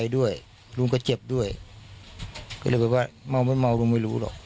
ด้วยลุงก็เจ็บด้วยก็เลยแบบว่าเมาไม่เมาลุงไม่รู้หรอก